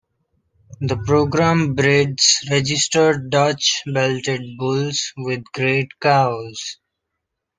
The program breeds registered Dutch Belted bulls with grade cows.